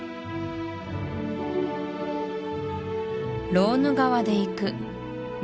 ローヌ川で行く南